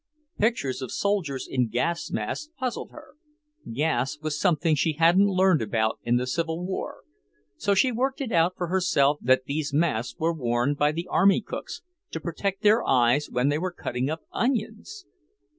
Pictures of soldiers in gas masks puzzled her; gas was something she hadn't learned about in the Civil War, so she worked it out for herself that these masks were worn by the army cooks, to protect their eyes when they were cutting up onions!